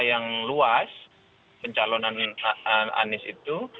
yang luas pencalonan anies itu